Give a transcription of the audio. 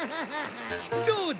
どうだ？